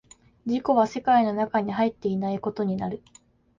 自己は世界の中に入っていないことになる。